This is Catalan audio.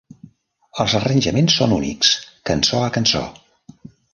Els arranjaments són únics, cançó a cançó.